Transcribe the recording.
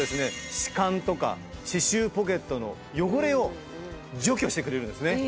歯間とか歯周ポケットの汚れを除去してくれるんですね。